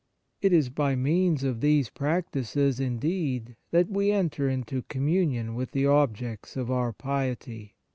It is by means of these practices, indeed, that we enter into communion with the objects of our piety.